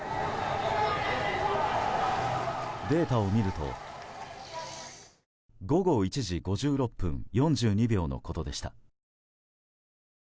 データを見ると午後１時５６分４２秒のことでした。